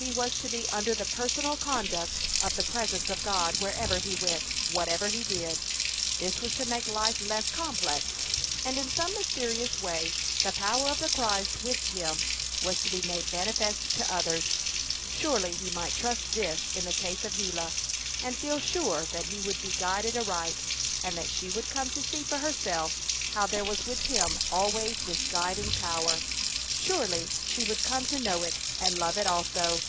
He was to be under the personal conduct of the Presence of God wherever he went, whatever he did! This was to make life less complex, and in some mysterious way the power of the Christ with him was to be made manifest to others. Surely he might trust this in the case of Gila, and feel sure that he would be guided aright; that she would come to see for herself how there was with him always this guiding power. Surely she would come to know it and love it also.